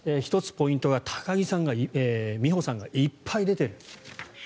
１つ、ポイントが高木美帆さんがいっぱい出てる。